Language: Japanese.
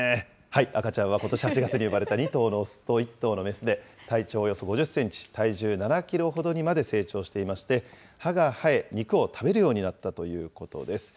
赤ちゃんはことし８月に生まれた２頭の雄と１頭の雌で、体長およそ５０センチ、体重７キロほどにまで成長していまして、歯が生え、肉を食べるようになったということです。